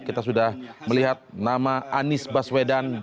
kita sudah melihat nama anies baswedan